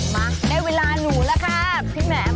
มาได้เวลาหนูแล้วค่ะพี่แหม่